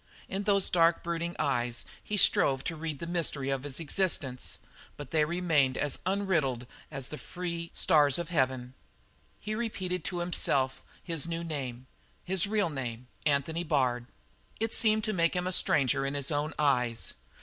In those dark, brooding eyes he strove to read the mystery of his existence, but they remained as unriddled as the free stars of heaven. He repeated to himself his new name, his real name: "Anthony Bard." It seemed to make him a stranger in his own eyes.